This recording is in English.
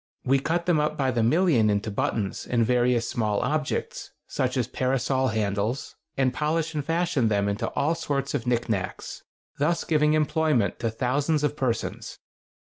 We cut them up by the million into buttons and various small objects, such as parasol handles, and polish and fashion them into all sorts of knickknacks, thus giving employment to thousands of persons.